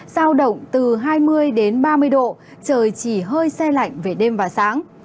giao động từ hai mươi đến ba mươi độ trời chỉ hơi xe lạnh về đêm và sáng